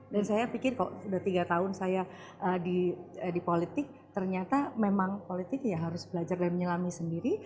dan saya pikir kalau sudah tiga tahun saya di politik ternyata memang politik ya harus belajar dan menyelami sendiri